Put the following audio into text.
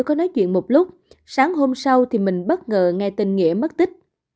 hai đứa có nói chuyện một lúc sáng hôm sau thì mình bất ngờ nghe tin nghĩa mất tích